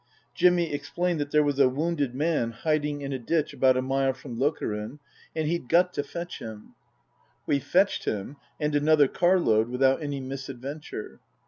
Jimmy explained that there was a wounded man hiding Book III : His Book 315 in a ditch about a mile from Lokeren, and he'd got to fetch him. We fetched him and another car load without any misadventure.